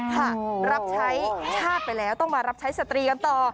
ค่ะรับใช้ชาติไปแล้วต้องมารับใช้สตรีกันต่อ